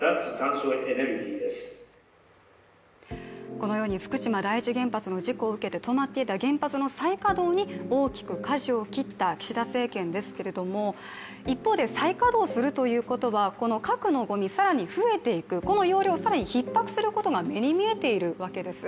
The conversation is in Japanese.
このように福島第一原発の事故を受けて止まっていた原発の再稼働に、大きくかじを切った岸田政権ですけれども、一方で再稼働するということはこの核のごみ更に増えていくこの容量を更にひっ迫することが目に見えているわけです。